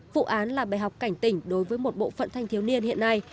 vụ án là bài học cảnh tỉnh đối với một bộ phận thanh thiếu niên hiện nay